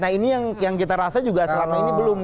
nah ini yang kita rasa juga selama ini belum